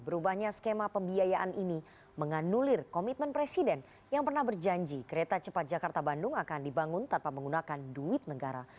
berubahnya skema pembiayaan ini menganulir komitmen presiden yang pernah berjanji kereta cepat jakarta bandung akan dibangun tanpa menggunakan duit negara